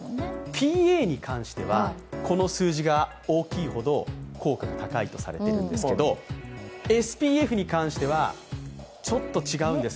ＰＡに関してはこの数字が大きいほど効果が高いとされているんですけれども、ＳＰＦに関しては、ちょっと違うんです。